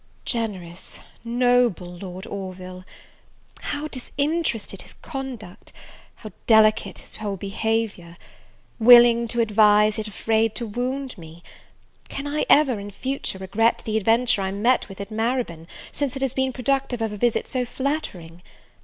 Generous, noble Lord Orville! how disinterested his conduct! how delicate his whole behaviour! Willing to advise, yet afraid to wound me! Can I ever, in future, regret the adventure I met with at Marybone, since it has been productive of a visit so flattering?